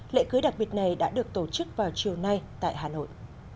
lễ cưới đặc biệt này đã được tổ chức vào chiều nay tại hà nội